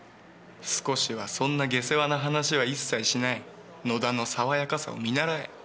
少しはそんな下世話な話は一切しない野田のさわやかさを見習え。